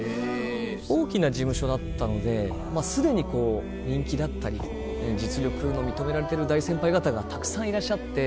大きな事務所だったので既に人気だったり実力の認められてる大先輩方がたくさんいらっしゃって。